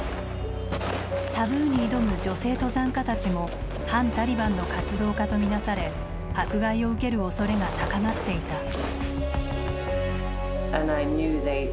タブーに挑む女性登山家たちも反タリバンの活動家と見なされ迫害を受けるおそれが高まっていた。